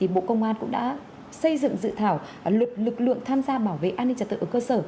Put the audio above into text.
bộ công an cũng đã xây dựng dự thảo luật lực lượng tham gia bảo vệ an ninh trật tự ở cơ sở